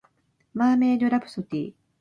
マーメイドラプソディ